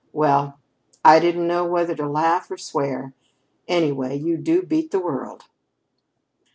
Well, I didn't know whether to laugh or swear! Anyway, you do beat the world."